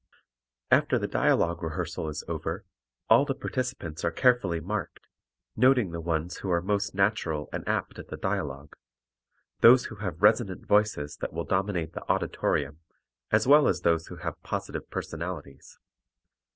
After the dialogue rehearsal is over, all the participants are carefully marked, noting the ones who are most natural and apt at the dialogue; those who have resonant voices that will dominate the auditorium as well as those who have positive personalities.